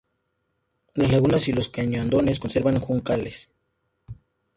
Las lagunas y los cañadones conservan juncales.